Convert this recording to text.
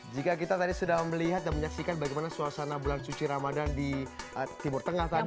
jika kita tadi sudah melihat dan menyaksikan bagaimana suasana bulan suci ramadan di timur tengah tadi